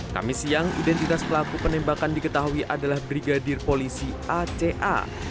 kami siang identitas pelaku penembakan diketahui adalah brigadir polisi aca